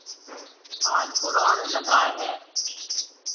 ھان ھُروڻ لگائيَ ھيََََ